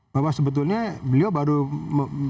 bahwa sebetulnya beliau baru mencari rumah sakit itu